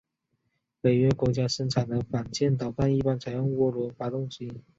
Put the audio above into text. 北约国家生产的反舰导弹一般采用涡轮发动机。